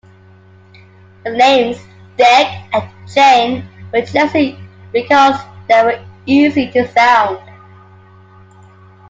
The names "Dick" and "Jane" were chosen because they were easy to sound.